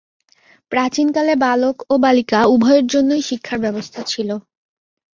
প্রাচীনকালে বালক ও বালিকা উভয়ের জন্যই শিক্ষার ব্যবস্থা ছিল।